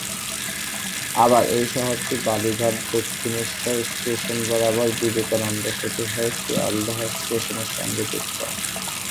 আবার এই শহরটি বালি ঘাট- দক্ষিণেশ্বর স্টেশন বরাবর বিবেকানন্দ সেতু হয়ে শিয়ালদহ স্টেশনের সঙ্গে যুক্ত।